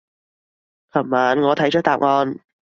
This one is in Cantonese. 琴晚我睇咗答案